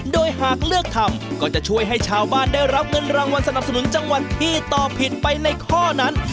โดยหากเลือกทำก็จะช่วยให้ชาวบ้านได้รับเงินรางวัลสนับสนุนจังหวัดที่ตอบผิดไปในข้อนั้น